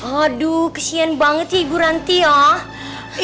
aduh kesian banget sih ibu ranti ah